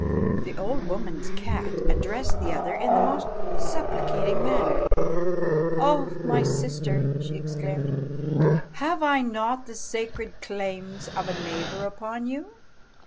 The old woman's cat addressed the other in the most supplicating manner: "O my sister!" she exclaimed, "have I not the sacred claims of a neighbour upon you?